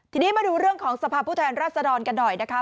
ทีนี้มาดูเรื่องของสภาพผู้แทนรัศดรกันหน่อยนะคะ